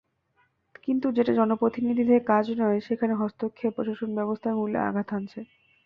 কিন্তু যেটা জনপ্রতিনিধিদের কাজ নয়, সেখানে হস্তক্ষেপ প্রশাসনব্যবস্থার মূলে আঘাত হানছে।